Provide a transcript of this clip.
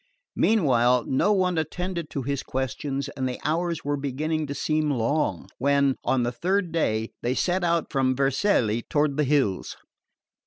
Meanwhile no one attended to his questions and the hours were beginning to seem long when, on the third day, they set out from Vercelli toward the hills.